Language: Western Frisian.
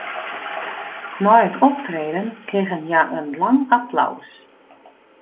Nei it optreden krigen hja in lang applaus.